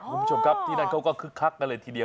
คุณผู้ชมครับที่นั่นเขาก็คึกคักกันเลยทีเดียว